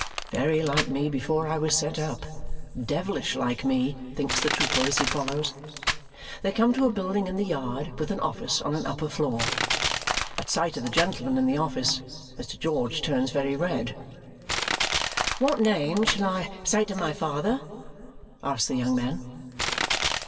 "Very like me before I was set up devilish like me!" thinks the trooper as he follows. They come to a building in the yard with an office on an upper floor. At sight of the gentleman in the office, Mr. George turns very red. "What name shall I say to my father?" asks the young man.